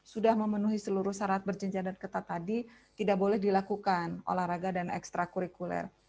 sudah memenuhi seluruh syarat berjenjang dan ketat tadi tidak boleh dilakukan olahraga dan ekstra kurikuler